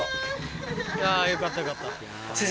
あぁよかったよかった。